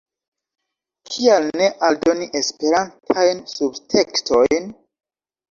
Kial ne aldoni Esperantajn subtekstojn?